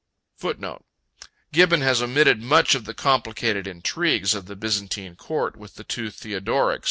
] 1211 (return) [ Gibbon has omitted much of the complicated intrigues of the Byzantine court with the two Theodorics.